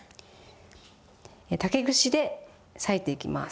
竹串で裂いていきます。